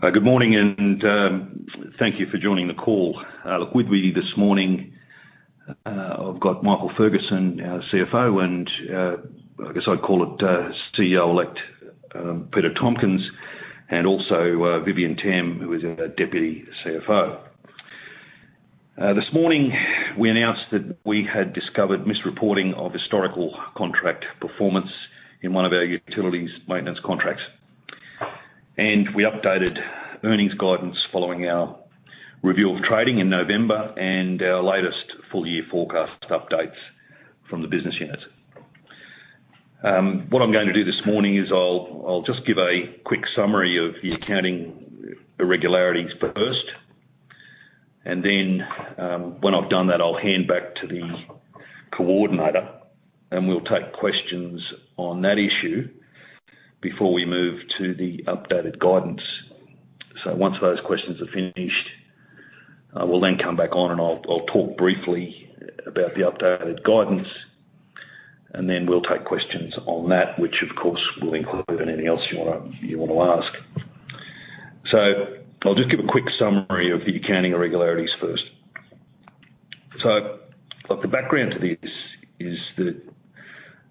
Good morning and thank you for joining the call. Look, with me this morning, I've got Michael Ferguson, our CFO, and I guess I'd call it CEO-elect, Peter Tompkins, and also Vivian Tam, who is our deputy CFO. This morning we announced that we had discovered misreporting of historical contract performance in one of our utilities maintenance contracts. We updated earnings guidance following our review of trading in November and our latest full-year forecast updates from the business unit. What I'm going to do this morning is I'll just give a quick summary of the accounting irregularities first. Then, when I've done that, I'll hand back to the coordinator and we'll take questions on that issue before we move to the updated guidance. Once those questions are finished, I will then come back on and I'll talk briefly about the updated guidance. We'll take questions on that, which of course will include anything else you wanna ask. I'll just give a quick summary of the accounting irregularities first. Look, the background to this is that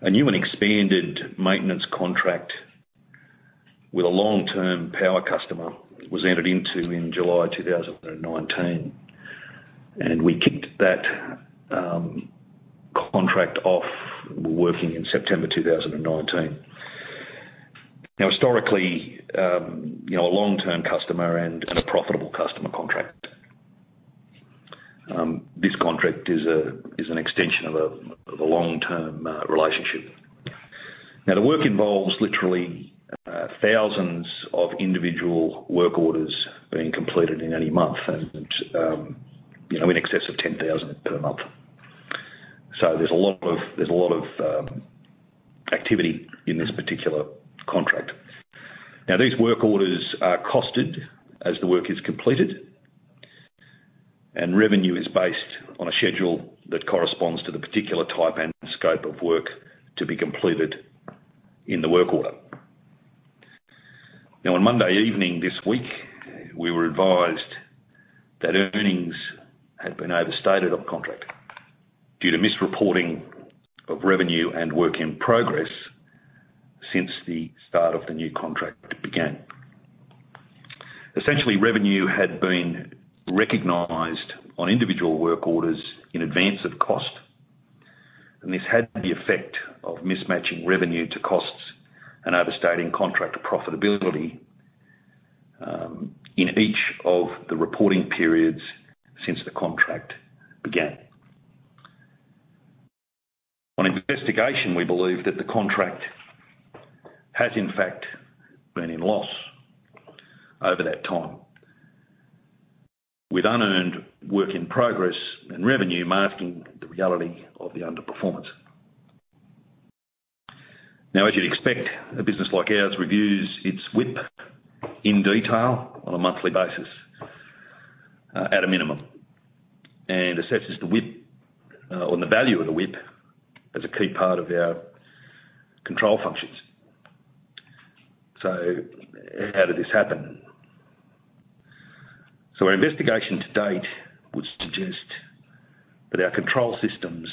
a new and expanded maintenance contract with a long-term power customer was entered into in July 2019. We kicked that contract off working in September 2019. Historically, you know, a long-term customer and a profitable customer contract. This contract is an extension of a long-term relationship. The work involves literally thousands of individual work orders being completed in any month and, you know, in excess of 10,000 per month. There's a lot of activity in this particular contract. Now, these work orders are costed as the work is completed, and revenue is based on a schedule that corresponds to the particular type and scope of work to be completed in the work order. Now on Monday evening this week, we were advised that earnings had been overstated on the contract due to misreporting of revenue and work in progress since the start of the new contract began. Essentially, revenue had been recognized on individual work orders in advance of cost, and this had the effect of mismatching revenue to costs and overstating contractor profitability in each of the reporting periods since the contract began. On investigation, we believe that the contract has in fact been in loss over that time. With unearned work in progress and revenue masking the reality of the underperformance. As you'd expect, a business like ours reviews its WIP in detail on a monthly basis, at a minimum, and assesses the WIP, or the value of the WIP as a key part of our control functions. How did this happen? Our investigation to date would suggest that our control systems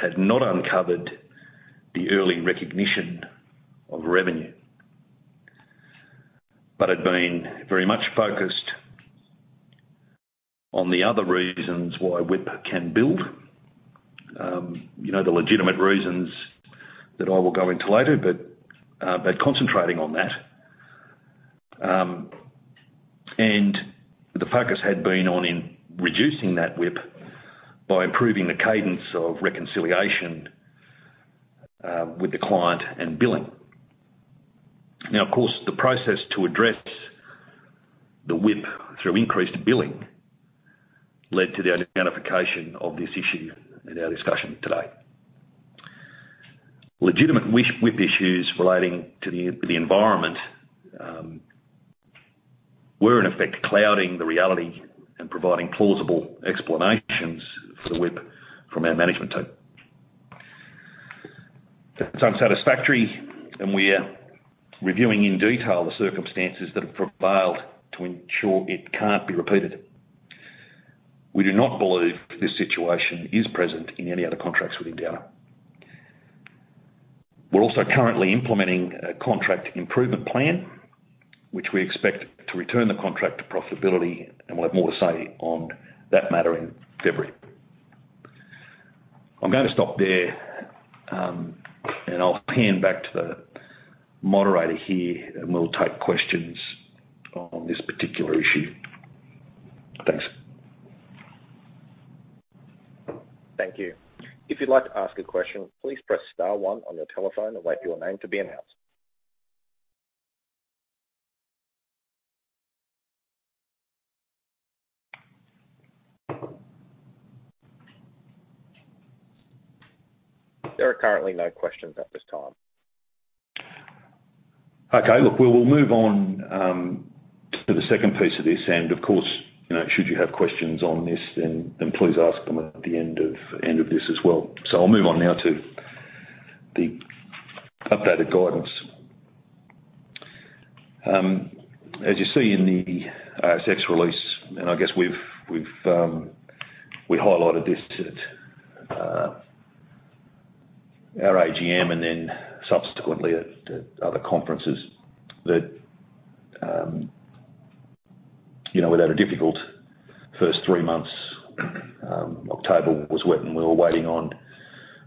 had not uncovered the early recognition of revenue, but had been very much focused on the other reasons why WIP can build. You know, the legitimate reasons that I will go into later, but concentrating on that. The focus had been on in reducing that WIP by improving the cadence of reconciliation, with the client and billing. Of course, the process to address the WIP through increased billing led to the identification of this issue in our discussion today. Legitimate WIP issues relating to the environment were in effect clouding the reality and providing plausible explanations for the WIP from our management team. That's unsatisfactory, and we are reviewing in detail the circumstances that have prevailed to ensure it can't be repeated. We do not believe this situation is present in any other contracts with Endeavour. We're also currently implementing a contract improvement plan, which we expect to return the contract to profitability, and we'll have more to say on that matter in February. I'm gonna stop there, and I'll hand back to the moderator here, and we'll take questions on this particular issue. Thanks. Thank you. If you'd like to ask a question, please press star one on your telephone and wait for your name to be announced. There are currently no questions at this time. Okay. Look, we will move on, to the second piece of this and of course, you know, should you have questions on this then, please ask them at the end of this as well. I'll move on now The updated guidance. As you see in the ASX release, and I guess we've, we highlighted this at our AGM and then subsequently at other conferences that, you know, we'd had a difficult first three months. October was wet, and we were waiting on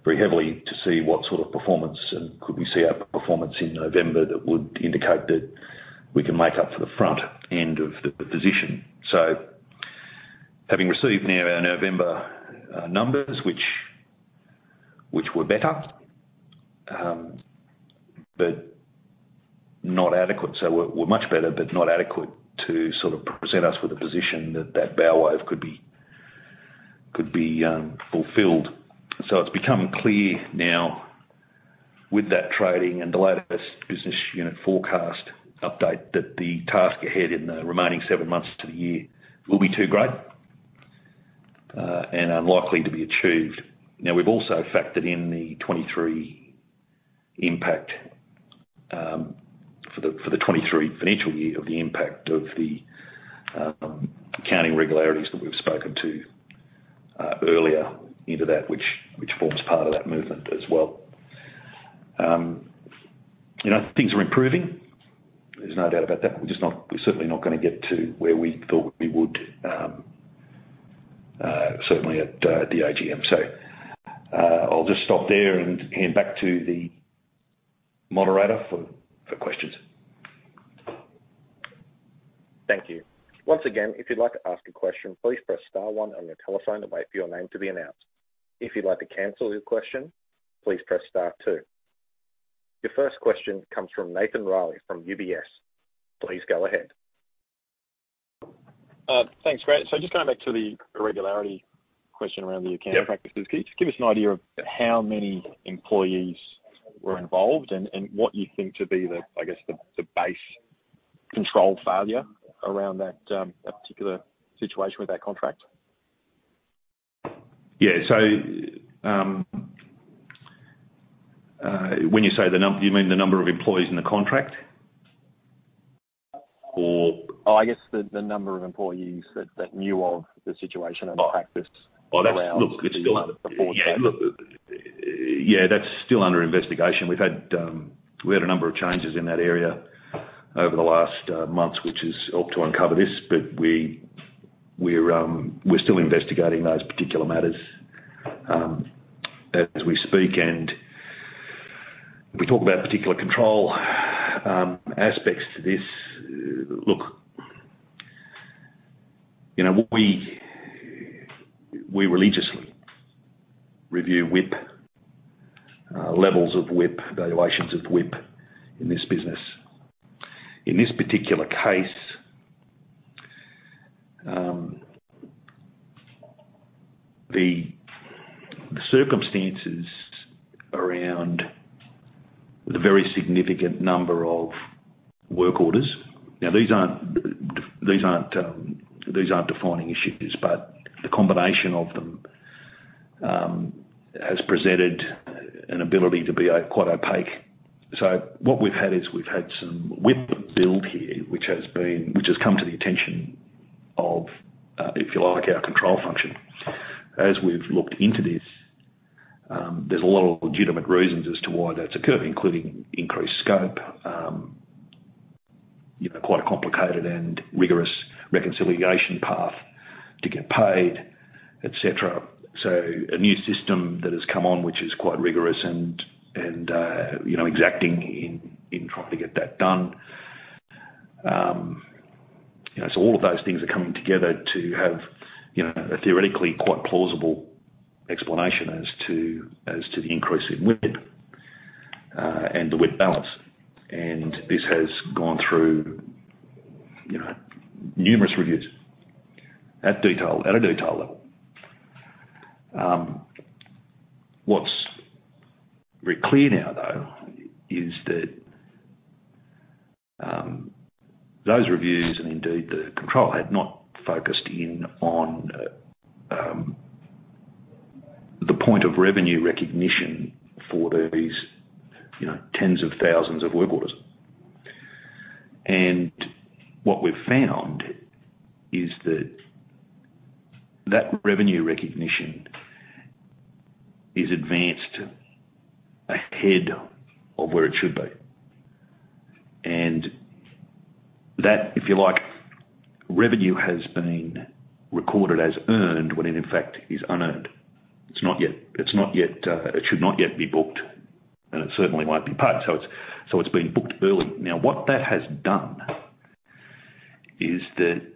very heavily to see what sort of performance and could we see our performance in November that would indicate that we can make up for the front end of the position. Having received now our November numbers which were better, but not adequate. We're much better but not adequate to sort of present us with a position that that bow wave could be fulfilled. It's become clear now with that trading and the latest business unit forecast update, that the task ahead in the remaining seven months to the year will be too great and unlikely to be achieved. Now, we've also factored in the 23 impact for the 23 financial year of the impact of the accounting regularities that we've spoken to earlier into that which forms part of that movement as well. You know, things are improving, there's no doubt about that. We're certainly not gonna get to where we thought we would certainly at the AGM. I'll just stop there and hand back to the moderator for questions. Thank you. Once again, if you'd like to ask a question, please press star one on your telephone and wait for your name to be announced. If you'd like to cancel your question, please press star two. Your first question comes from Nathan Reilly from UBS. Please go ahead. Thanks, Grant. Just going back to the irregularity question around the accounting practices. Yeah. Can you just give us an idea of how many employees were involved and what you think to be the, I guess the base control failure around that particular situation with that contract? Yeah. When you say the number, do you mean the number of employees in the contract or? I guess the number of employees that knew of the situation and practiced. Yeah, look, yeah, that's still under investigation. We've had, we had a number of changes in that area over the last months, which has helped to uncover this, but we're still investigating those particular matters as we speak and we talk about particular control aspects to this. Look, you know, we religiously review WIP, levels of WIP, evaluations of WIP in this business. In this particular case, the circumstances around the very significant number of work orders. Now, these aren't defining issues, but the combination of them has presented an ability to be quite opaque. What we've had is we've had some WIP build here, which has come to the attention of, if you like, our control function. As we've looked into this, there's a lot of legitimate reasons as to why that's occurred, including increased scope, you know, quite a complicated and rigorous reconciliation path to get paid, etc. A new system that has come on, which is quite rigorous and, you know, exacting in trying to get that done. You know, all of those things are coming together to have, you know, a theoretically quite plausible explanation as to, as to the increase in WIP and the WIP balance. This has gone through, you know, numerous reviews at detail, at a detail level. What's very clear now, though, is that those reviews and indeed the control had not focused in on the point of revenue recognition for these, you know, tens of thousands of work orders. What we've found is that revenue recognition is advanced ahead of where it should be. That, if you like, revenue has been recorded as earned when in fact is unearned. It's not yet, it should not yet be booked, and it certainly won't be paid. It's been booked early. What that has done is that.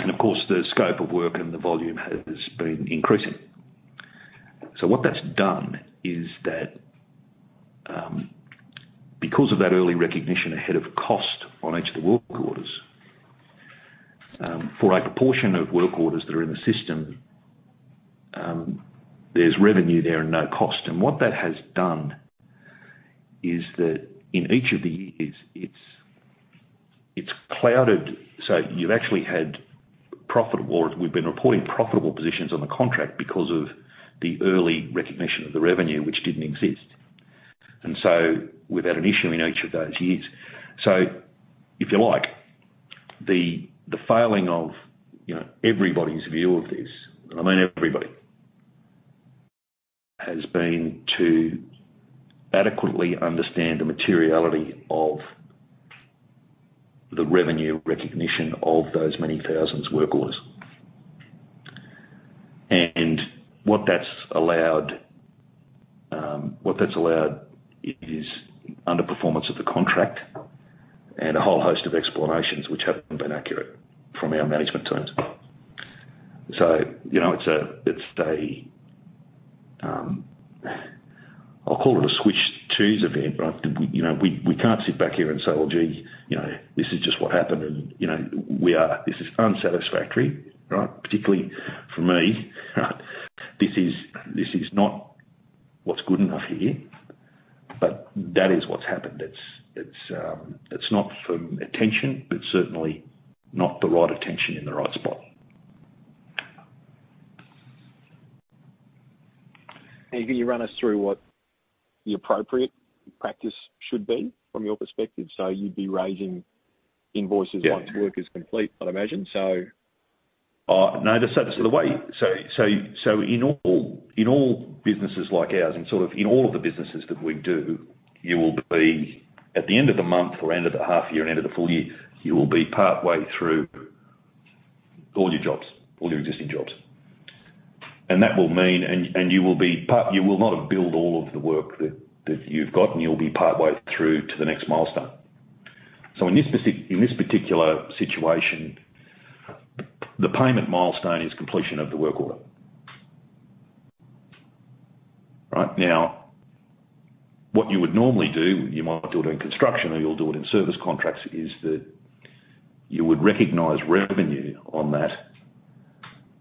Of course, the scope of work and the volume has been increasing. What that's done is that, because of that early recognition ahead of cost on each of the work orders, for a proportion of work orders that are in the system, there's revenue there and no cost. What that has done is that in each of the years, it's clouded. You've actually had profit wars. We've been reporting profitable positions on the contract because of the early recognition of the revenue which didn't exist. We've had an issue in each of those years. If you like, the failing of, you know, everybody's view of this, and I mean everybody, has been to adequately understand the materiality of the revenue recognition of those many thousands work orders. What that's allowed is underperformance of the contract and a whole host of explanations which haven't been accurate from our management terms. You know, it's a, I'll call it a switch twos event, right? You know, we can't sit back here and say, "Well, gee, you know, this is just what happened." You know, this is unsatisfactory, right? Particularly for me, this is not what's good enough here. That is what's happened. It's not from attention, but certainly not the right attention in the right spot. Can you run us through what the appropriate practice should be from your perspective? You'd be raising invoices. Yeah. Once work is complete, I'd imagine so. No. In all businesses like ours and sort of in all of the businesses that we do, you will be at the end of the month or end of the half year and end of the full year, you will be partway through all your jobs, all your existing jobs. You will not have billed all of the work that you've got, and you'll be partway through to the next milestone. In this particular situation, the payment milestone is completion of the work order. Right? What you would normally do, you might do it in construction or you'll do it in service contracts, is that you would recognize revenue on that,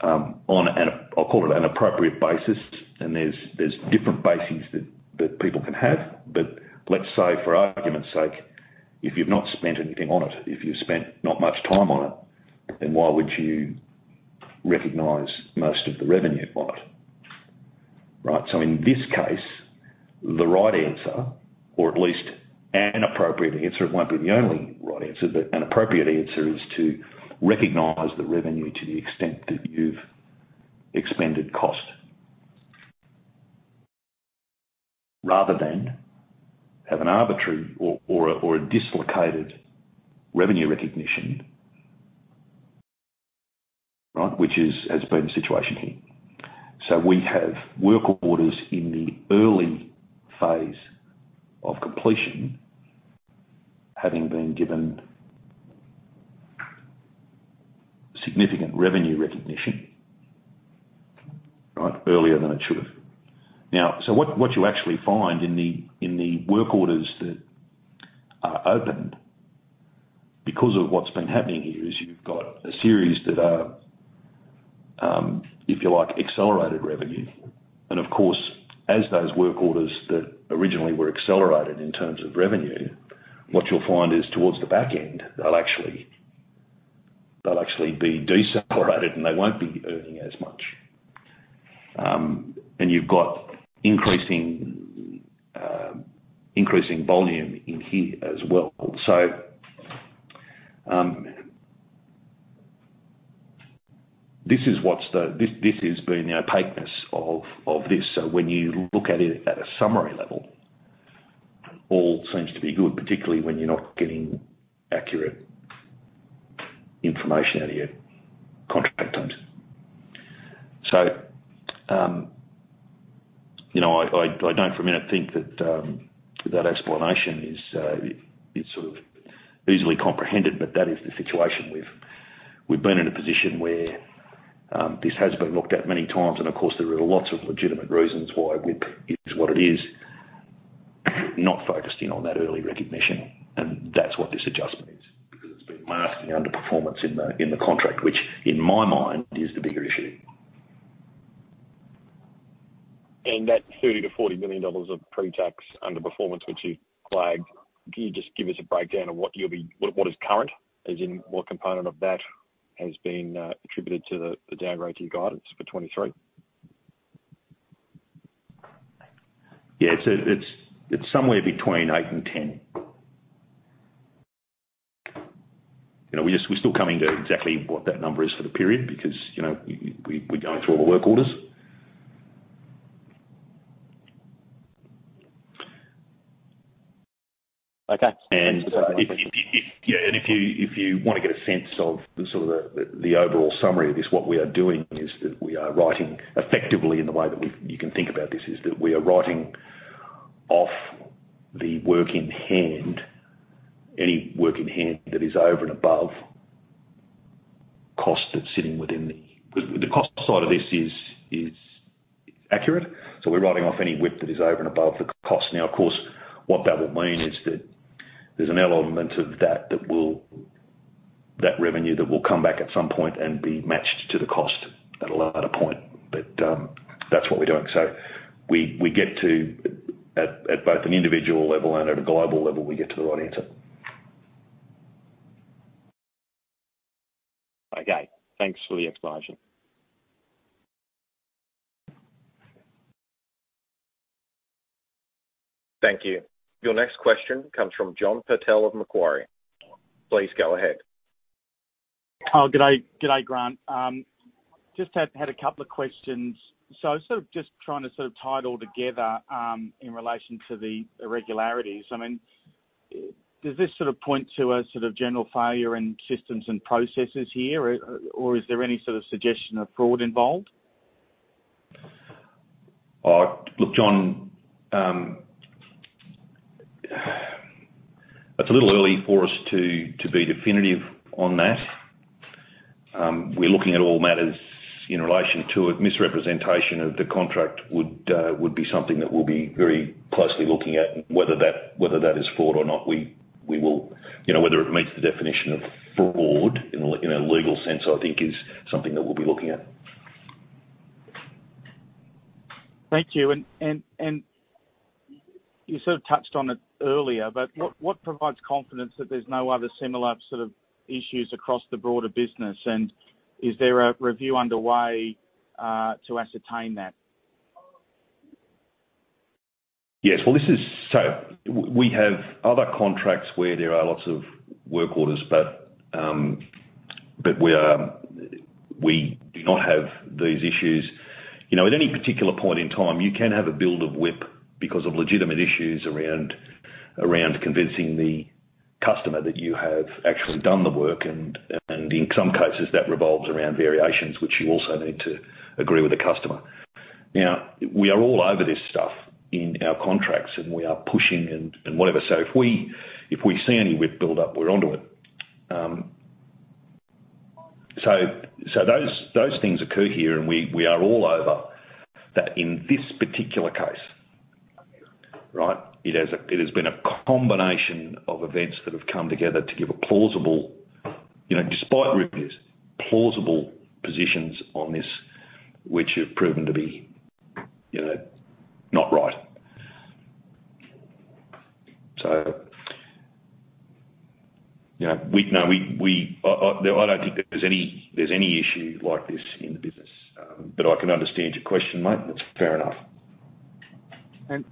on an, I'll call it an appropriate basis. There's different bases that people can have. Let's say for argument's sake, if you've not spent anything on it, if you've spent not much time on it, then why would you recognize most of the revenue on it, right? In this case, the right answer, or at least an appropriate answer, it won't be the only right answer, but an appropriate answer is to recognize the revenue to the extent that you've expended cost rather than have an arbitrary or a dislocated revenue recognition, right, which is, has been the situation here. We have work orders in the early phase of completion having been given significant revenue recognition, right, earlier than it should have. What you actually find in the work orders that are opened because of what's been happening here is you've got a series that are, if you like, accelerated revenue. As those work orders that originally were accelerated in terms of revenue, what you'll find is towards the back end, they'll actually be decelerated and they won't be earning as much. You've got increasing volume in here as well. This has been the opaqueness of this. When you look at it at a summary level, all seems to be good, particularly when you're not getting accurate information out of your contract terms. You know, I don't for a minute think that explanation is sort of easily comprehended, but that is the situation. We've been in a position where this has been looked at many times, and of course, there are lots of legitimate reasons why WIP is what it is, not focusing on that early recognition. That's what this adjustment is, because it's been masking the underperformance in the contract which in my mind is the bigger issue. That 30 million-40 million dollars of pre-tax underperformance which you flagged, can you just give us a breakdown of what is current, as in what component of that has been attributed to the downgrade to your guidance for 2023? Yeah. It's somewhere between eight and 10. You know, we're still coming to exactly what that number is for the period because, you know, we're going through all the work orders. Okay. If you wanna get a sense of the sort of the overall summary of this, what we are doing is that we are writing effectively in the way that you can think about this is that we are writing off the work in hand, any work in hand that is over and above cost that's sitting within the. The cost side of this is accurate. We're writing off any WIP that is over and above the cost. Now of course, what that will mean is that there's an element of that. That revenue that will come back at some point and be matched to the cost at a latter point. That's what we're doing. We get to at both an individual level and at a global level, we get to the right answer. Okay. Thanks for the explanation. Thank you. Your next question comes from John Purtell of Macquarie. Please go ahead. Oh, Gooday Grant. Just had a couple of questions. Just trying to sort of tie it all together, in relation to the irregularities. I mean, does this sort of point to a sort of general failure in systems and processes here or is there any sort of suggestion of fraud involved? Look, John, it's a little early for us to be definitive on that. We're looking at all matters in relation to it. Misrepresentation of the contract would be something that we'll be very closely looking at, whether that is fraud or not, we will. You know, whether it meets the definition of fraud in a legal sense, I think is something that we'll be looking at. Thank you. You sort of touched on it earlier, but what provides confidence that there's no other similar sort of issues across the broader business? Is there a review underway to ascertain that? Yes. Well, we have other contracts where there are lots of work orders, but we are, we do not have these issues. You know, at any particular point in time, you can have a build of WIP because of legitimate issues around convincing the customer that you have actually done the work. In some cases, that revolves around variations which you also need to agree with the customer. Now, we are all over this stuff in our contracts, and we are pushing and whatever. If we see any WIP build up, we're onto it. Those things occur here, and we are all over that in this particular case, right? It has been a combination of events that have come together to give a plausible, you know, despite Ruipis plausible positions on this, which have proven to be, you know, not right. You know, No, I don't think there's any issue like this in the business. I can understand your question, mate. That's fair enough. I mean,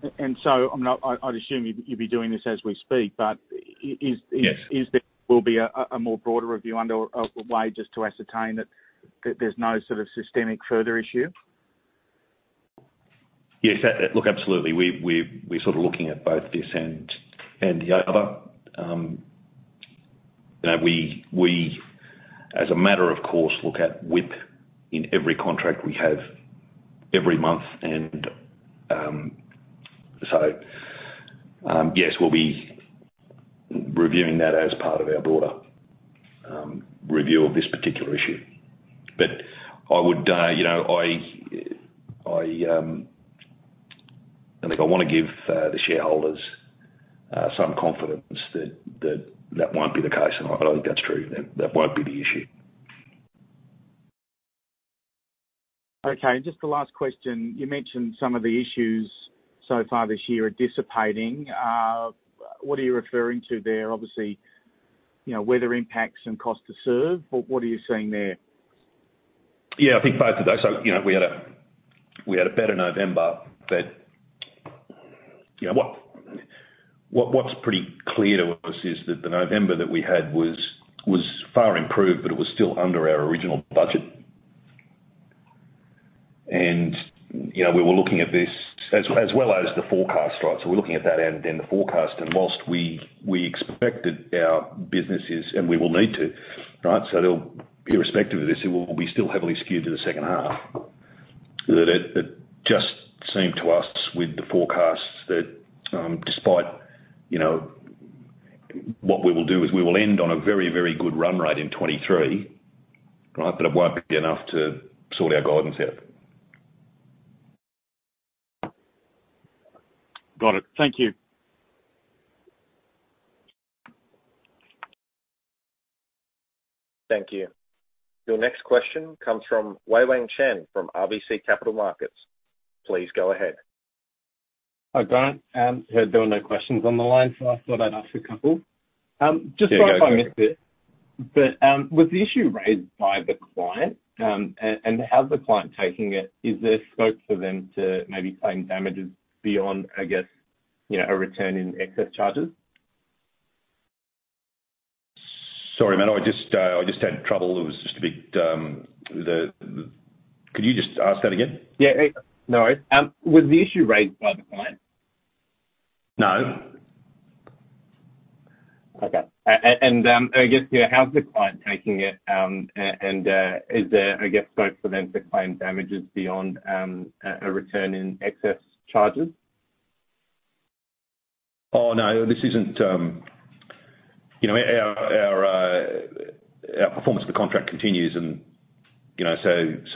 I'd assume you'd be doing this as we speak, but. Yes. Will be a more broader review underway just to ascertain that there's no sort of systemic further issue? Yes. Look, absolutely. We're sort of looking at both this and the other. You know, we, as a matter of course, look at WIP in every contract we have every month and, so, yes, we'll be reviewing that as part of our broader review of this particular issue. I would, you know, I think I wanna give the shareholders some confidence that that won't be the case. I think that's true. That won't be the issue. Okay. Just the last question, you mentioned some of the issues so far this year are dissipating. What are you referring to there? Obviously, you know, weather impacts and Cost to Serve, but what are you seeing there? Yeah, I think both of those. You know, we had a better November that, you know, what's pretty clear to us is that the November that we had was far improved, but it was still under our original budget. You know, we were looking at this as well as the forecast, right. We're looking at that and then the forecast. Whilst we expected our businesses and we will need to, right. Irrespective of this, it will be still heavily skewed to the second half. That it just seemed to us with the forecasts that, despite, you know, what we will do is we will end on a very, very good run rate in 2023, right. It won't be enough to sort our guidance out. Got it. Thank you. Thank you. Your next question comes from Nicholas Daish from RBC Capital Markets. Please go ahead. Hi, Grant. Heard there were no questions on the line. I thought I'd ask a couple. Just if I missed it. Yeah, go for it. Was the issue raised by the client? How's the client taking it? Is there scope for them to maybe claim damages beyond, I guess, you know, a return in excess charges? Sorry, man. I just, I just had trouble. It was just a bit. Could you just ask that again? Yeah. No worries. Was the issue raised by the client? No. Okay. I guess, yeah, how's the client taking it? Is there, I guess, scope for them to claim damages beyond a return in excess charges? No, this isn't. You know, our performance of the contract continues. You know,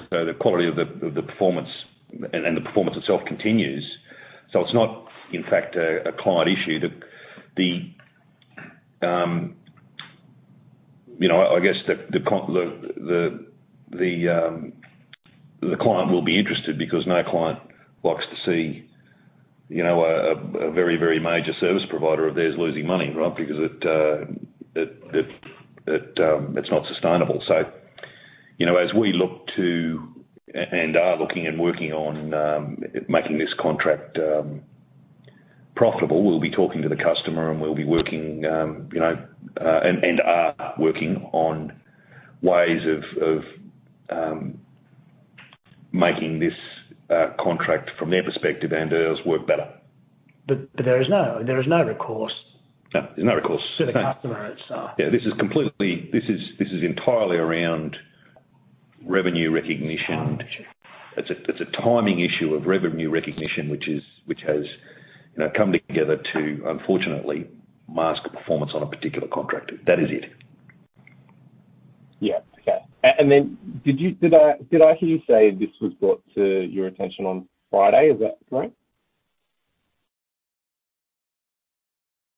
the quality of the performance and the performance itself continues. It's not, in fact, a client issue. The client will be interested because no client likes to see, you know, a very major service provider of theirs losing money, right? Because it's not sustainable. You know, as we look to and are looking and working on making this contract profitable, we'll be talking to the customer and we'll be working, you know, and are working on ways of making this contract from their perspective and ours work better. There is no recourse. No, there's no recourse. to the customer itself. Yeah, this is entirely around revenue recognition. It's a, it's a timing issue of revenue recognition, which has, you know, come together to unfortunately mask a performance on a particular contract. That is it. Yeah. Okay. Did I hear you say this was brought to your attention on Friday? Is that correct?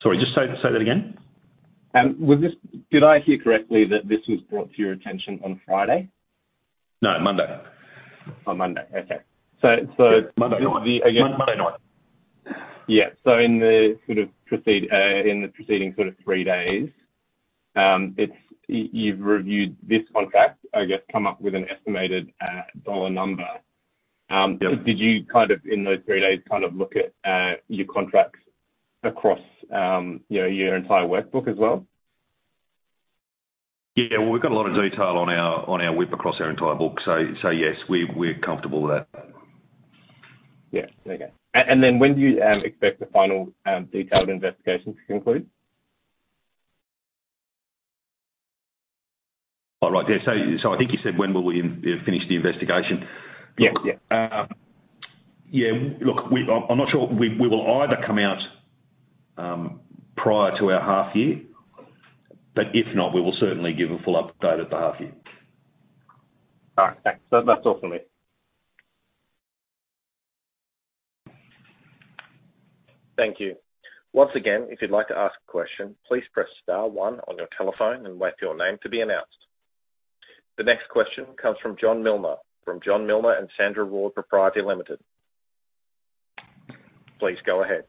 Sorry. Just say that again. Did I hear correctly that this was brought to your attention on Friday? No, Monday. On Monday. Okay. Monday night. Monday night. Yeah. In the preceding sort of three days, you've reviewed this contract, I guess come up with an estimated, dollar number. Yeah. Did you kind of in those three days kind of look at, your contracts across, you know, your entire workbook as well? Yeah. We've got a lot of detail on our WIP across our entire book. Yes, we're comfortable with that. Yeah. There you go. Then when do you expect the final detailed investigation to conclude? Oh, right. Yeah. I think you said when will we finish the investigation? Yes. Yeah. Yeah. Look, I'm not sure. We will either come out prior to our half year, but if not, we will certainly give a full update at the half year. All right. Thanks. That's all from me. Thank you. Once again, if you'd like to ask a question, please press star one on your telephone and wait for your name to be announced. The next question comes from John Milner, from John Milner and Sandra Ward Proprietary Limited. Please go ahead.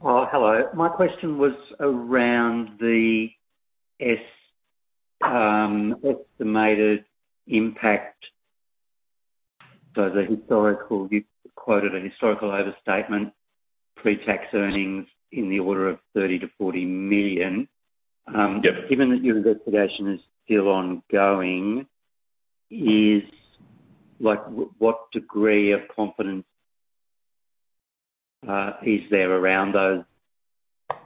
Well, hello. My question was around the estimated impact. The historical, you quoted a historical overstatement, pre-tax earnings in the order of 30 million-40 million. Yep. Given that your investigation is still ongoing, what degree of confidence is there around those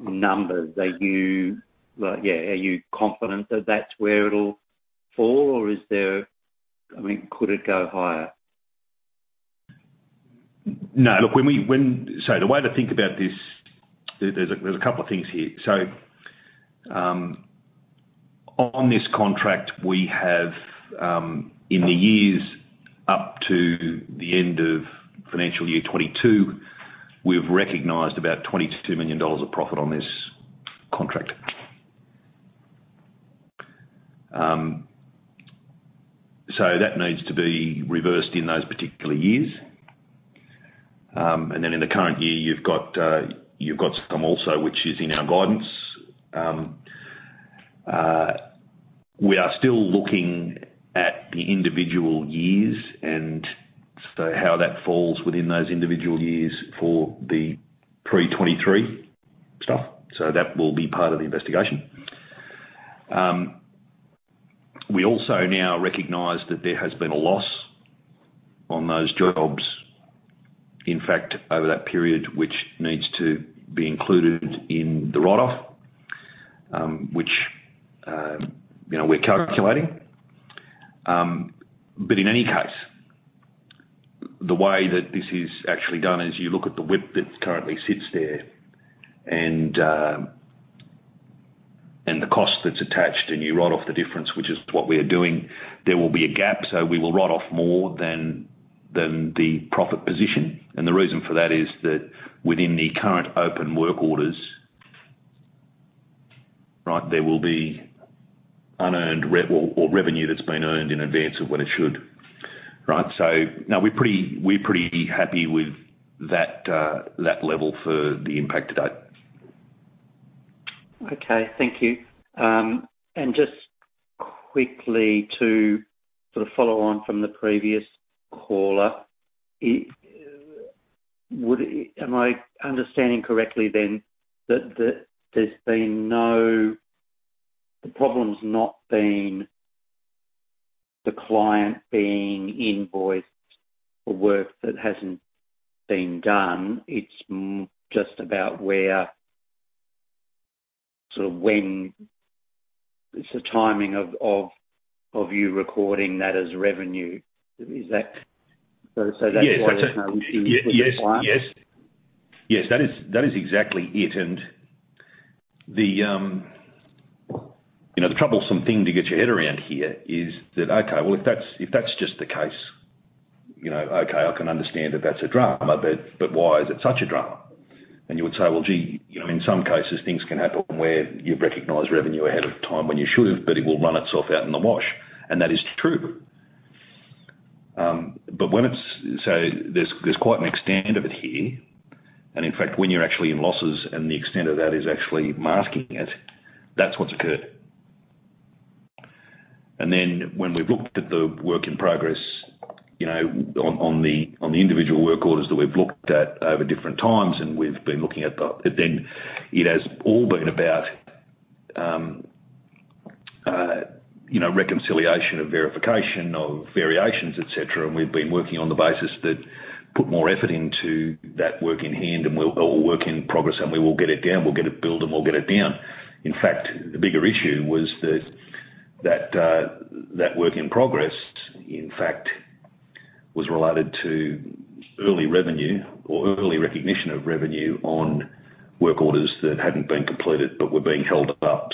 numbers? Are you, like yeah, are you confident that that's where it'll fall? Is there, I mean, could it go higher? No. Look, the way to think about this, there's a couple of things here. On this contract, we have, in the years up to the end of financial year 2022, we've recognized about 22 million dollars of profit on this contract. That needs to be reversed in those particular years. Then in the current year, you've got some also, which is in our guidance. We are still looking at the individual years and how that falls within those individual years for the pre 2023 stuff. That will be part of the investigation. We also now recognize that there has been a loss on those jobs, in fact, over that period, which needs to be included in the write-off, which, you know, we're calculating. In any case, the way that this is actually done is you look at the WIP that currently sits there and the cost that's attached, and you write off the difference, which is what we are doing. There will be a gap. We will write off more than the profit position. The reason for that is that within the current open work orders, right, there will be unearned revenue that's been earned in advance of when it should. Right? No, we're pretty happy with that level for the impact to date. Okay. Thank you. Just quickly to sort of follow on from the previous caller. Am I understanding correctly then that there's been no. The problem's not been the client being invoiced for work that hasn't been done, it's just about where, sort of when, it's the timing of you recording that as revenue. Is that? So that's why there's no issue with the client? Yes, that is exactly it. The, you know, the troublesome thing to get your head around here is that, okay, well, if that's just the case, you know, okay, I can understand that that's a drama, but why is it such a drama? You would say, "Well, gee, you know, in some cases things can happen where you recognize revenue ahead of time when you should have, but it will run itself out in the wash." That is true. But when there's quite an extent of it here, and in fact, when you're actually in losses and the extent of that is actually masking it, that's what's occurred. When we looked at the work in progress, you know, on the individual work orders that we've looked at over different times, and we've been looking at the. It has all been about, you know, reconciliation of verification of variations, et cetera. We've been working on the basis that put more effort into that work in hand or work in progress, and we will get it down. We'll get it built, and we'll get it down. In fact, the bigger issue was that work in progress, in fact, was related to early revenue or early recognition of revenue on work orders that hadn't been completed but were being held up.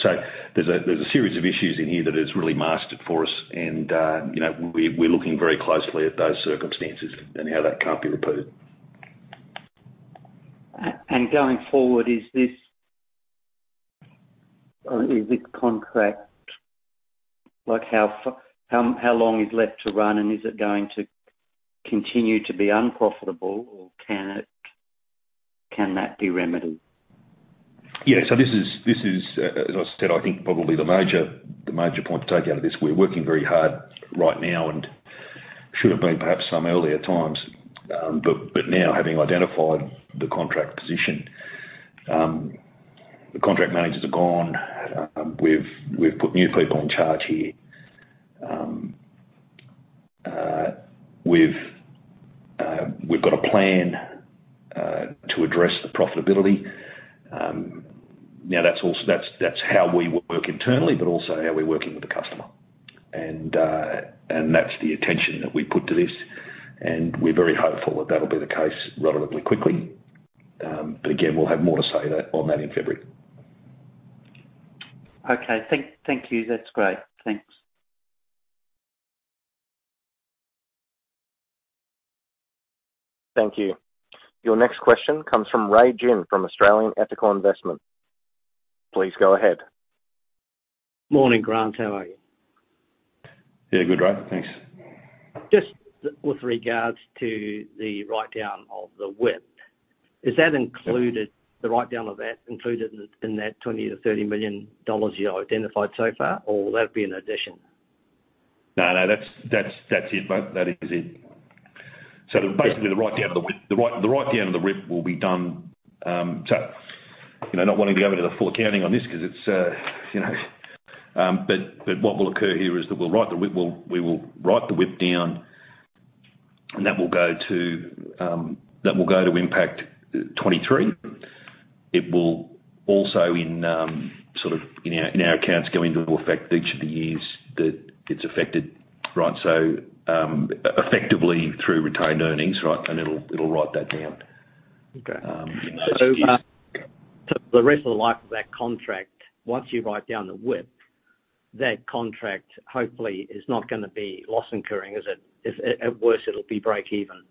There's a series of issues in here that has really masked it for us and, you know, we're looking very closely at those circumstances and how that can't be repeated. Going forward, is this contract, like, how long is left to run, and is it going to continue to be unprofitable, or can that be remedied? This is, as I said, I think probably the major point to take out of this. We're working very hard right now and should have been perhaps some earlier times, but now having identified the contract position, the contract managers are gone. We've put new people in charge here. We've got a plan to address the profitability. That's how we work internally, but also how we're working with the customer. That's the attention that we put to this, and we're very hopeful that that'll be the case relatively quickly. But again, we'll have more to say on that in February. Okay. Thank you. That's great. Thanks. Thank you. Your next question comes from Ray Gin from Australian Ethical Investment. Please go ahead. Morning, Grant. How are you? Yeah, good, Ray. Thanks. Just with regards to the write-down of the WIP. Is that included-? Yeah. The write-down of that included in that 20 million-30 million dollars you identified so far, or will that be an addition? No, that's it, Ray. That is it. Yeah. The write-down of the WIP. The write-down of the WIP will be done, you know, not wanting to go into the full accounting on this 'cause it's, you know. What will occur here is that we will write the WIP down, that will go to impact 2023. It will also in, sort of in our accounts go into effect each of the years that it's affected, right? Effectively through retained earnings, right? It'll write that down. Okay. In those years. For the rest of the life of that contract, once you write down the WIP, that contract hopefully is not gonna be loss incurring, is it? If at worst, it'll be break even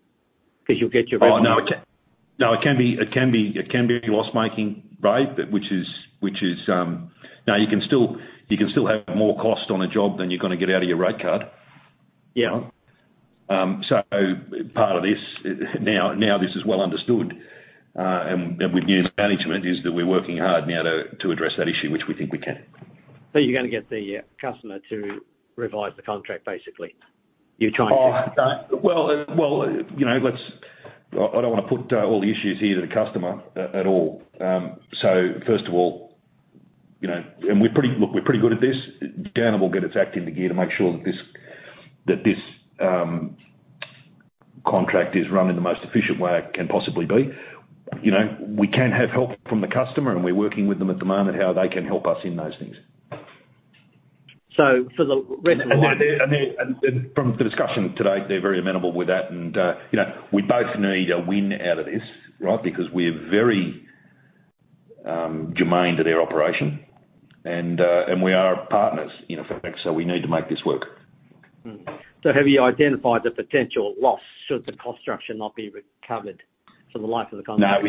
because you'll get Oh, no, it can be loss-making, Ray, but which is, now you can still have more cost on a job than you're gonna get out of your rate card. Yeah. Part of this, now this is well understood, and with new management, is that we're working hard now to address that issue, which we think we can. You're gonna get the customer to revise the contract, basically. You're trying to- Well, you know, I don't wanna put all the issues here to the customer at all. First of all, you know, Look, we're pretty good at this. Downer will get its act into gear to make sure that this contract is run in the most efficient way it can possibly be. You know, we can have help from the customer, and we're working with them at the moment how they can help us in those things. They're. From the discussion today, they're very amenable with that and, you know, we both need a win out of this, right? We're very germane to their operation and we are partners, in effect, so we need to make this work. Have you identified the potential loss should the cost structure not be recovered for the life of the contract?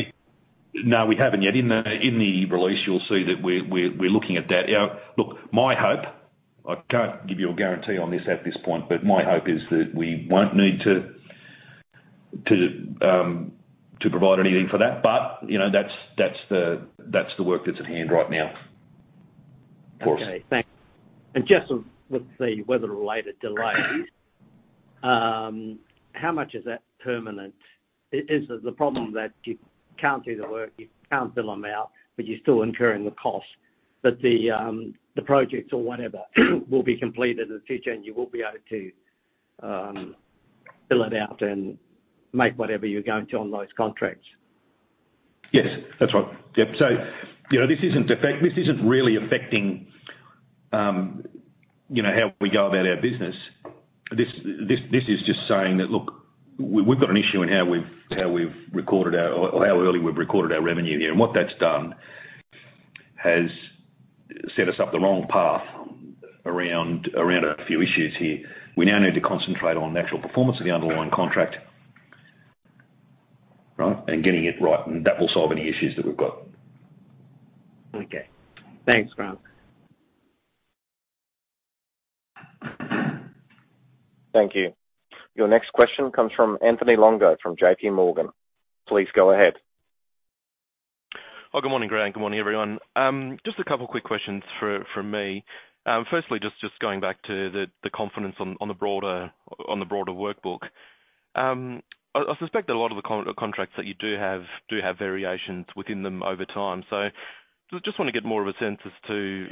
No, we haven't yet. In the release, you'll see that we're looking at that. Look, my hope, I can't give you a guarantee on this at this point, but my hope is that we won't need to provide anything for that. You know, that's the work that's at hand right now for us. Okay, thanks. Just with the weather-related delays, how much is that permanent? Is the problem that you can't do the work, you can't bill them out, but you're still incurring the cost? The projects or whatever will be completed in the future, and you will be able to, bill it out and make whatever you're going to on those contracts. Yes, that's right. Yep. You know, this isn't really affecting, you know how we go about our business. This is just saying that, look, we've got an issue in how we've recorded our or how early we've recorded our revenue here. What that's done has set us up the wrong path around a few issues here. We now need to concentrate on natural performance of the underlying contract, right? Getting it right, and that will solve any issues that we've got. Okay. Thanks, Grant. Thank you. Your next question comes from Anthony Longo, from JP Morgan. Please go ahead. Good morning, Grant. Good morning, everyone. Just a couple of quick questions from me. Firstly, just going back to the confidence on the broader workbook. I suspect that a lot of the contracts that you do have, do have variations within them over time. Just wanna get more of a sense as to,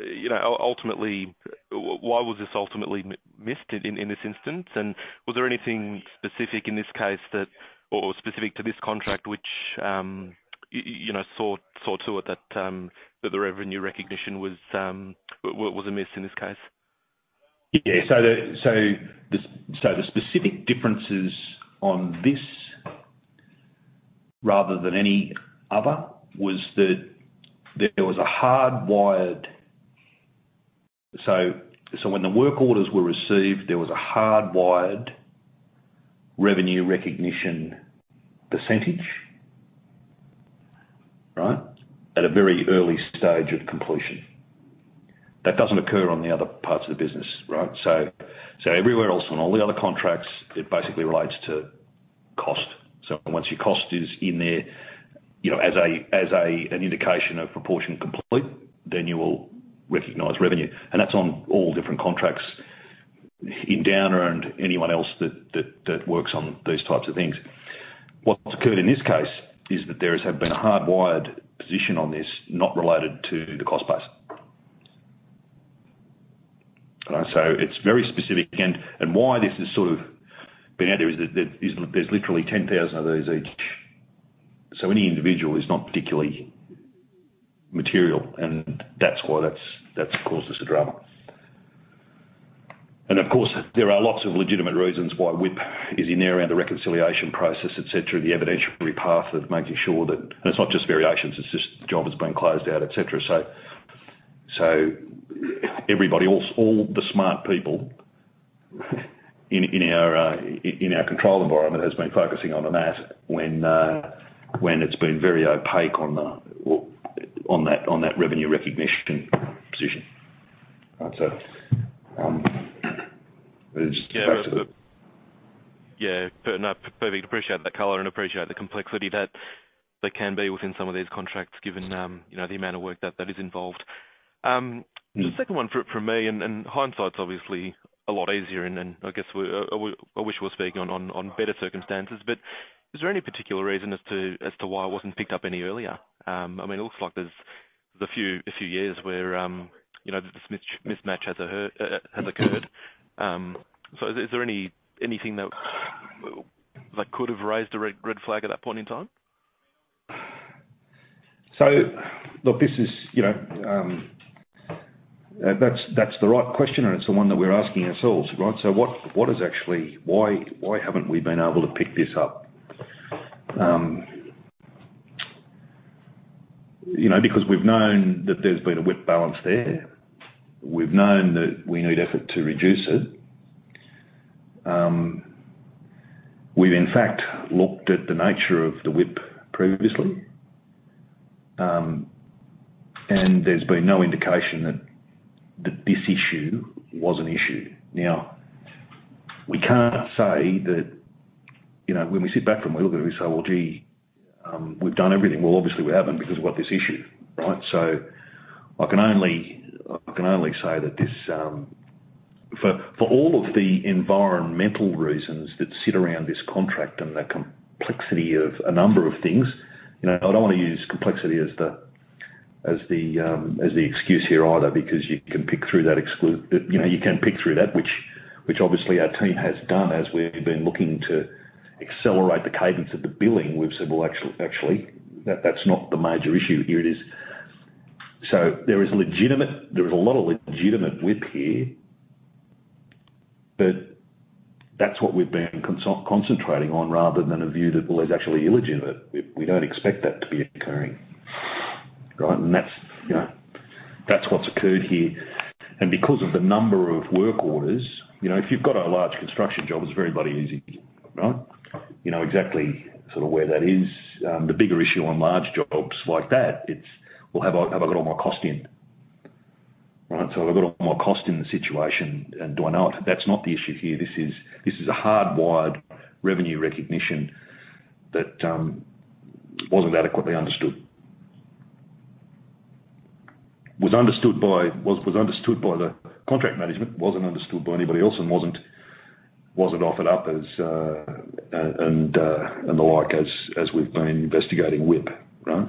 you know, ultimately why was this ultimately missed in this instance? Was there anything specific in this case that or specific to this contract which, you know, saw to it that the revenue recognition was amiss in this case? Yeah. The specific differences on this rather than any other was that there was a hardwired. When the work orders were received, there was a hardwired revenue recognition percentage. Right? At a very early stage of completion. That doesn't occur on the other parts of the business, right? Everywhere else on all the other contracts, it basically relates to cost. Once your cost is in there, you know, as an indication of proportion complete, then you will recognize revenue. That's on all different contracts in Downer and anyone else that works on these types of things. What's occurred in this case is that there has been a hardwired position on this, not related to the cost base. All right? It's very specific, and why this has sort of been out there is that there's literally 10,000 of these each. Any individual is not particularly material, and that's why that's caused us the drama. Of course, there are lots of legitimate reasons why WIP is in there around the reconciliation process, etc., the evidentiary path of making sure that it's not just variations, it's just job has been closed out, etc. Everybody, all the smart people in our control environment has been focusing on that when it's been very opaque on that revenue recognition position. It is back to. Yeah. No, perfect. Appreciate that color and appreciate the complexity that there can be within some of these contracts, given, you know, the amount of work that is involved. The second one for me, and hindsight's obviously a lot easier and I guess we, I wish we were speaking on better circumstances. Is there any particular reason as to why it wasn't picked up any earlier? I mean, it looks like there's a few years where, you know, this mismatch has occurred. Is there anything that could have raised a red flag at that point in time? Look, this is, you know, that's the right question, and it's the one that we're asking ourselves, right? Why haven't we been able to pick this up? You know, because we've known that there's been a WIP balance there. We've known that we need effort to reduce it. We've in fact looked at the nature of the WIP previously. There's been no indication that this issue was an issue. We can't say that, you know, when we sit back and we look at it, we say, "Well, gee, we've done everything well." Obviously we haven't because we've got this issue, right? I can only say that this. For all of the environmental reasons that sit around this contract and the complexity of a number of things, you know, I don't wanna use complexity as the, as the, as the excuse here either because you can pick through that. You know, you can pick through that which obviously our team has done as we've been looking to accelerate the cadence of the billing. We've said, "Well, actually, that's not the major issue here. It is. " There is a lot of legitimate WIP here, but that's what we've been concentrating on rather than a view that, well, it's actually illegitimate. We, we don't expect that to be occurring, right? That's, you know, that's what's occurred here. Because of the number of work orders, you know, if you've got a large construction job, it's very bloody easy, right? You know exactly sort of where that is. The bigger issue on large jobs like that, it's, well, have I got all my cost in? Right? Have I got all my cost in the situation and do I not? That's not the issue here. This is a hardwired revenue recognition that wasn't adequately understood. Was understood by the contract management, wasn't understood by anybody else and wasn't offered up as and the like as we've been investigating WIP, right?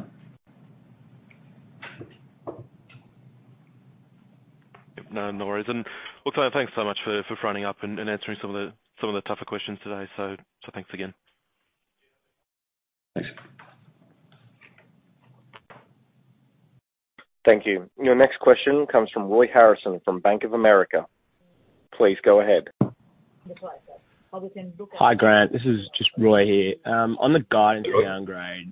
No, no worries then. Well, Grant, thanks so much for fronting up and answering some of the tougher questions today. Thanks again. Thank you. Your next question comes from Roy Harrison from Bank of America. Please go ahead. Hi, Grant. This is just Roy here. On the guidance downgrade.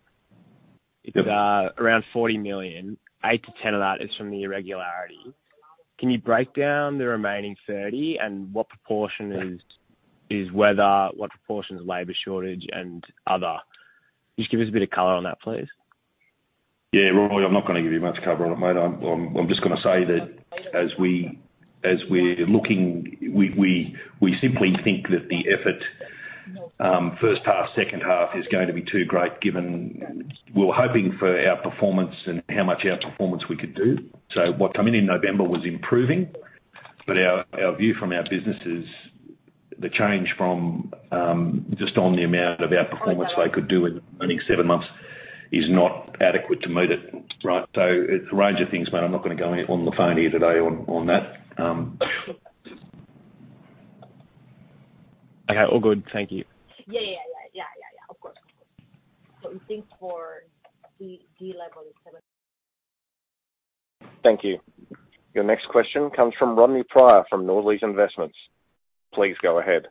It was around 40 million. 8-10 million of that is from the irregularity. Can you break down the remaining 30 million and what proportion is weather, what proportion is labor shortage and other? Just give us a bit of color on that, please. Yeah. Roy, I'm not gonna give you much color on it, mate. I'm just gonna say that as we're looking, we simply think that the effort, first half, second half is going to be too great given we were hoping for our performance and how much outperformance we could do. What come in in November was improving. Our, our view from our business is the change from just on the amount of outperformance they could do in only seven months is not adequate to meet it. Right. It's a range of things, mate, I'm not gonna go on the phone here today on that. Okay. All good. Thank you. Thank you. Your next question comes from Rodney Pryor from Nordlys Investments. Please go ahead.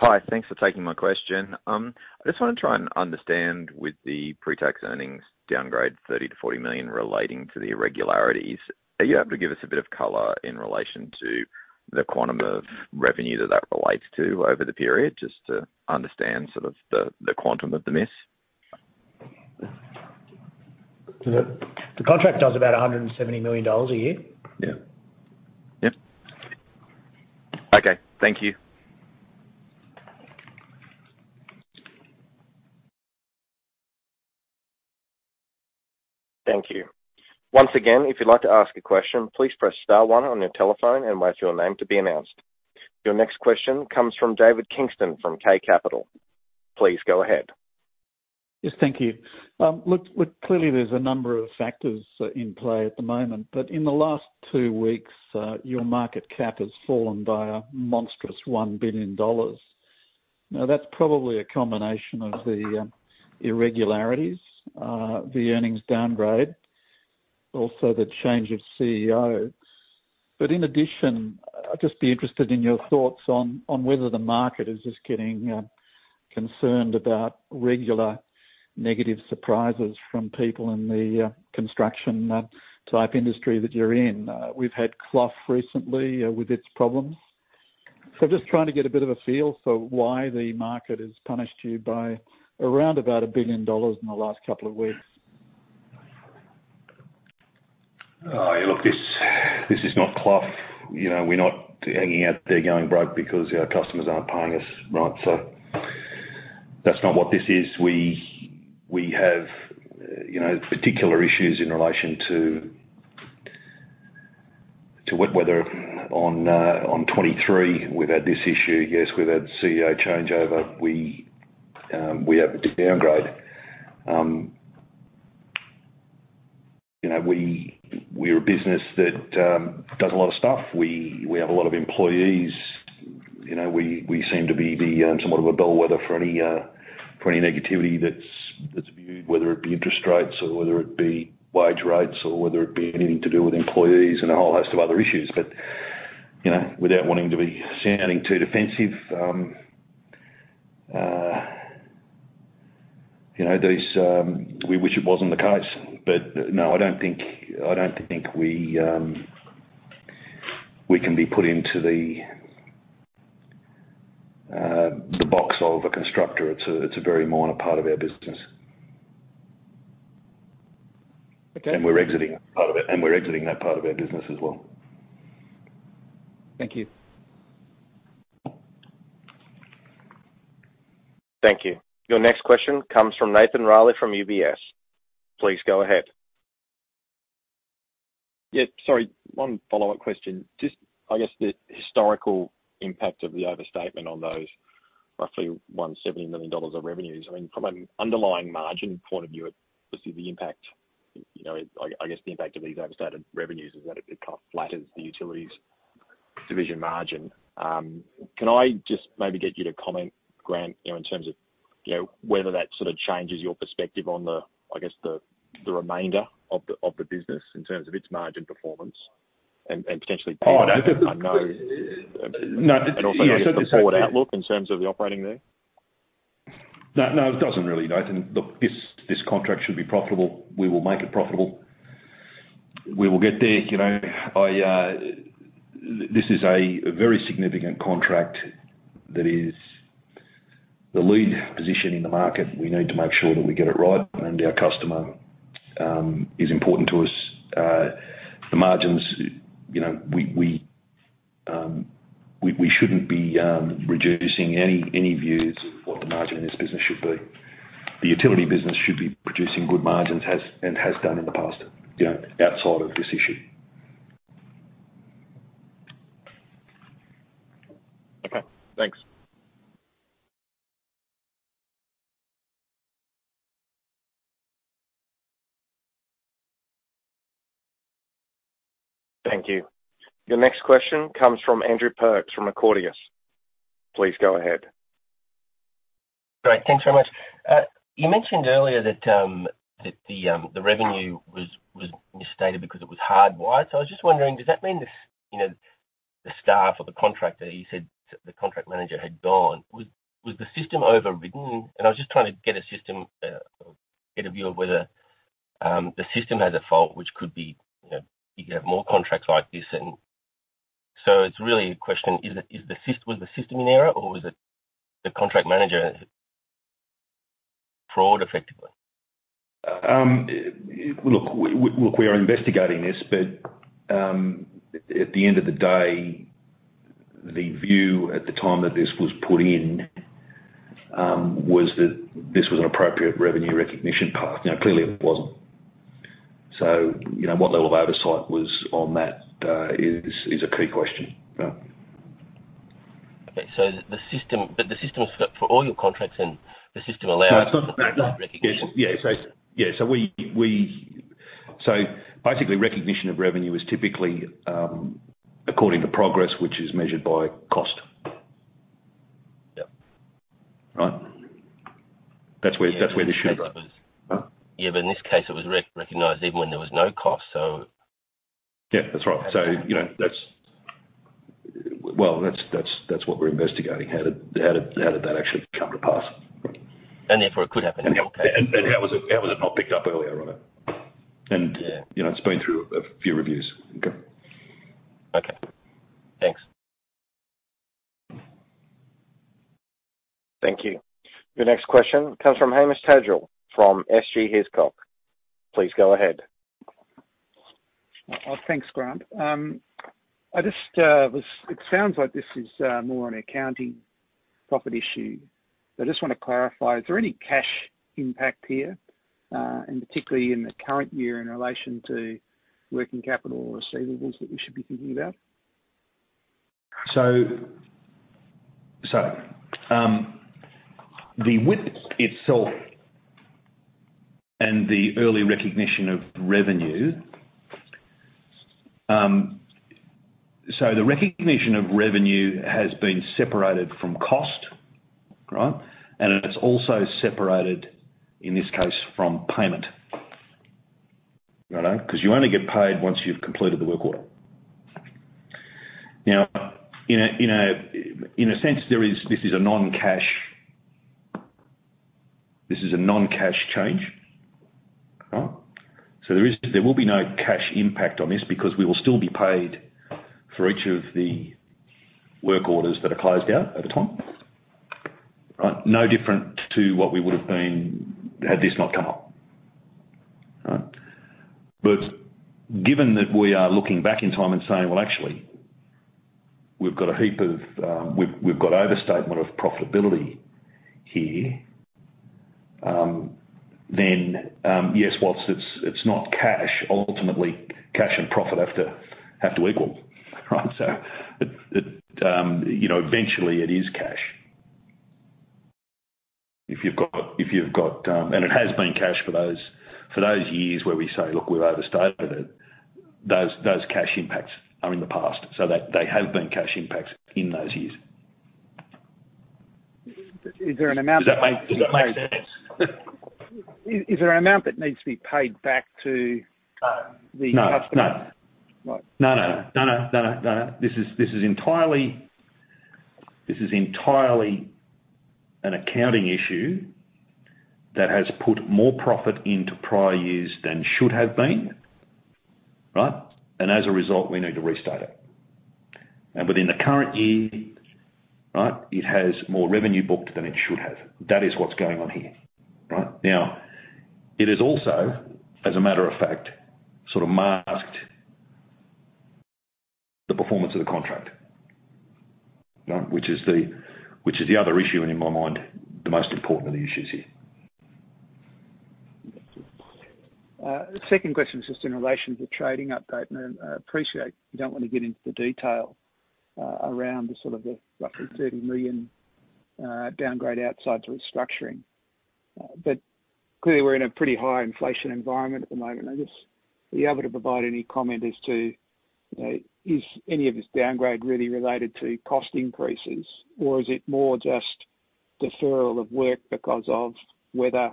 Hi. Thanks for taking my question. I just wanna try and understand with the pretax earnings downgrade 30 million-40 million relating to the irregularities. Are you able to give us a bit of color in relation to the quantum of revenue that that relates to over the period? Just to understand sort of the quantum of the miss. The contract does about 170 million dollars a year. Yeah. Yep. Okay. Thank you. Thank you. Once again, if you'd like to ask a question, please press star one on your telephone and wait for your name to be announced. Your next question comes from David Kingston from K Capital. Please go ahead. Yes. Thank you. look, clearly there's a number of factors in play at the moment, but in the last 2 weeks, your market cap has fallen by a monstrous 1 billion dollars. That's probably a combination of the irregularities, the earnings downgrade, also the change of CEO. In addition, I'd just be interested in your thoughts on whether the market is just getting concerned about regular negative surprises from people in the construction type industry that you're in. We've had Clough recently with its problems. Just trying to get a bit of a feel for why the market has punished you by around about 1 billion dollars in the last couple of weeks? Look, this is not Clough. You know, we're not hanging out there going broke because our customers aren't paying us. Right. That's not what this is. We, we have, you know, particular issues in relation to wet weather on 2023. We've had this issue. Yes, we've had CEO changeover. We, we have the downgrade. You know, we're a business that does a lot of stuff. We, we have a lot of employees. You know, we seem to be the somewhat of a bellwether for any for any negativity that's viewed, whether it be interest rates or whether it be wage rates or whether it be anything to do with employees and a whole host of other issues. You know, without wanting to be sounding too defensive, you know, these. We wish it wasn't the case. No, I don't think we can be put into the box of a constructor. It's a very minor part of our business. Okay. We're exiting part of it, and we're exiting that part of our business as well. Thank you. Thank you. Your next question comes from Nathan Reilly from UBS. Please go ahead. Yeah. Sorry, one follow-up question. Just, I guess the historical impact of the overstatement on those roughly 170 million dollars of revenues. I mean, from an underlying margin point of view, obviously the impact, you know, I guess the impact of these overstate of revenues is that it kind of flatters the utilities division margin. Can I just maybe get you to comment, Grant, you know, in terms of, you know, whether that sort of changes your perspective on the, I guess the remainder of the, of the business in terms of its margin performance and potentially- Oh, no. Forward outlook in terms of the operating there? No, no, it doesn't really, Nathan. Look, this contract should be profitable. We will make it profitable. We will get there. You know, I, this is a very significant contract that is the lead position in the market. We need to make sure that we get it right and our customer is important to us. The margins, you know, we shouldn't be reducing any views of what the margin in this business should be. The utility business should be producing good margins, has and has done in the past, you know, outside of this issue. Okay. Thanks. Thank you. Your next question comes from Andrew Perks from Accordius. Please go ahead. Great. Thanks very much. You mentioned earlier that the revenue was misstated because it was hardwired. I was just wondering, does that mean you know, the staff or the contractor, you said the contract manager had gone? Was the system overridden? I was just trying to get a view of whether the system has a fault, which could be, you know, you could have more contracts like this and. It's really a question, was the system in error, or was it the contract manager fraud effectively? Look, we are investigating this, but, at the end of the day, the view at the time that this was put in, was that this was an appropriate revenue recognition path. Clearly it wasn't. You know, what level of oversight was on that, is a key question. Yeah. Okay, the system is set for all your contracts and the system allows recognition. Yeah. Yeah, we basically, recognition of revenue is typically according to progress, which is measured by cost. Yep. Right? That's where, that's where this should go. Huh? Yeah, in this case it was recognized even when there was no cost, so. Yeah, that's right. You know, well, that's what we're investigating. How did that actually come to pass? Therefore, it could happen How was it not picked up earlier on it? Yeah. You know, it's been through a few reviews. Okay. Okay. Thanks. Thank you. Your next question comes from Hamish Tadgell, from SG Hiscock. Please go ahead. Thanks, Grant. I just, it sounds like this is more an accounting profit issue, but I just wanna clarify, is there any cash impact here, and particularly in the current year in relation to working capital or receivables that we should be thinking about? The WIP itself and the early recognition of revenue. The recognition of revenue has been separated from cost, right? It is also separated, in this case, from payment. Right on? 'Cause you only get paid once you've completed the work order. Now, in a sense, this is a non-cash change, right? There will be no cash impact on this because we will still be paid for each of the work orders that are closed out at the time, right? No different to what we would have been had this not come up, right? Given that we are looking back in time and saying, "Well, actually, we've got overstatement of profitability here," then, yes, whilst it's not cash, ultimately cash and profit have to equal, right? It, you know, eventually it is cash. It has been cash for those years where we say, "Look, we've overstated it," those cash impacts are in the past, they have been cash impacts in those years. Is there an amount that needs to be paid back? No. The customer? No. No. No, This is entirely an accounting issue that has put more profit into prior years than should have been. Right? As a result, we need to restate it. Within the current year, right, it has more revenue booked than it should have. That is what's going on here. Right? It has also, as a matter of fact, sort of masked the performance of the contract. Right? Which is the other issue, and in my mind, the most important of the issues here. Second question is just in relation to the trading update. I appreciate you don't want to get into the detail around the sort of the roughly 30 million downgrade outside the restructuring. Clearly, we're in a pretty high inflation environment at the moment. Are you able to provide any comment as to, is any of this downgrade really related to cost increases, or is it more just deferral of work because of weather,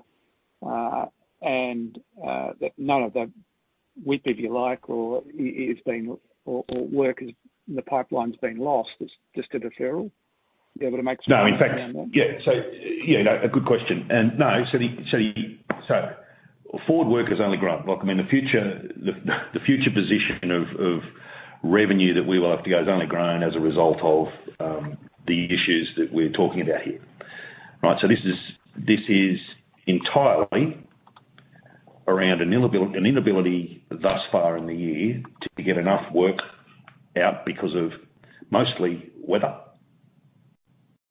and that none of the WIP, if you like, or work is, the pipeline's been lost? It's just a deferral. You able to make? No, in fact. Yeah. You know, a good question. No, the forward work has only grown. Like, I mean, the future position of revenue that we will have to go has only grown as a result of the issues that we're talking about here. Right? This is entirely around an inability thus far in the year to get enough work out because of mostly weather.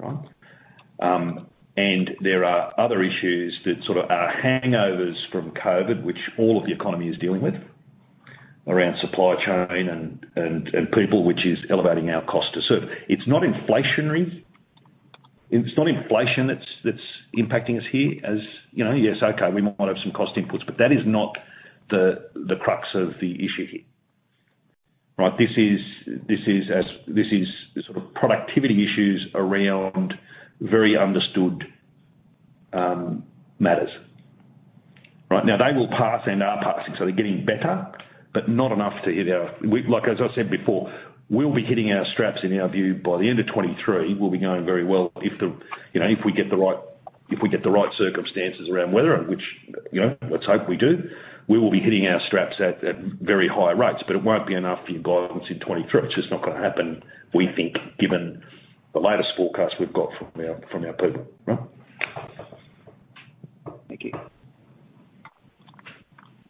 Right? There are other issues that sort of are hangovers from COVID, which all of the economy is dealing with around supply chain and people, which is elevating our costs to serve. It's not inflationary. It's not inflation that's impacting us here. You know, yes, okay, we might have some cost inputs, but that is not the crux of the issue here. Right? This is the sort of productivity issues around very understood matters. Right? They will pass and are passing, so they're getting better, but not enough to hit our. Like as I said before, we'll be hitting our straps in our view by the end of 2023, we'll be going very well if the, you know, if we get the right, if we get the right circumstances around weather and which, you know, let's hope we do. We will be hitting our straps at very high rates, but it won't be enough for you guys in 2023. It's just not gonna happen, we think, given the latest forecast we've got from our people. Right? Thank you.